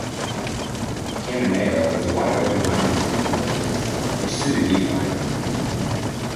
Cananea was a wide-open mining town in those days, which suited me fine.